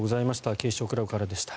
警視庁クラブからでした。